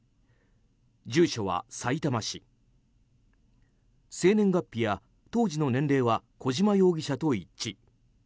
住所は、さいたま市生年月日や当時の年齢は小島容疑者と一致。